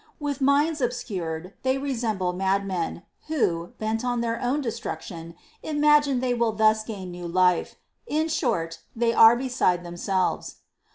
With minds obscured, they resemble madmen, who, bent on their own destruction, imagine they will thus gain new life ;— in short, they are beside themselves.